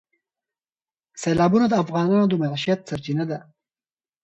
سیلابونه د افغانانو د معیشت سرچینه ده.